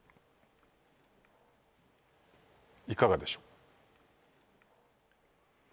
いかがでしょう？